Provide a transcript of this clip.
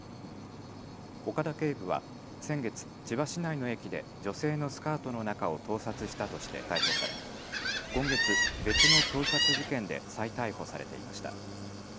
岡田警部は先月、千葉市内の駅で女性のスカートの中を盗撮したとして逮捕され今月、別の盗撮事件で再逮捕されていました。